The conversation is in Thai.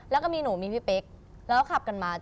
แล้วก็มีหนูมีพี่เป๊กแล้วก็ขับกันมา